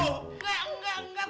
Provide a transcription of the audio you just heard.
enggak enggak enggak